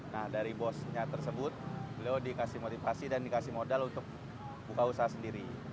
nah dari bosnya tersebut beliau dikasih motivasi dan dikasih modal untuk buka usaha sendiri